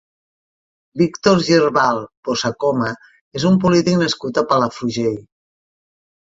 Víctor Girbal Bossacoma és un polític nascut a Palafrugell.